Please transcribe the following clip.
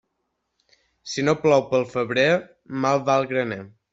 Si no plou pel febrer, mal va el graner.